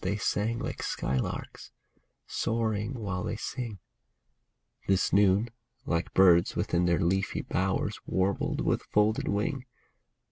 They sang like skylarks, soaring while they sing ; This noon, like birds within their leafy bowers, Warbled with folded wing.